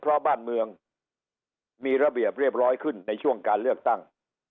เพราะบ้านเมืองมีระเบียบเรียบร้อยขึ้นในช่วงการเลือกตั้ง